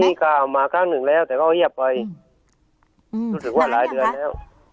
มีข่าวมาครั้งหนึ่งแล้วแต่ก็เงียบไปรู้สึกว่าหลายเดือนแล้ว